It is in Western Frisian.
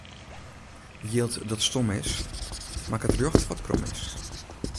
Jild dat stom is, makket rjocht wat krom is.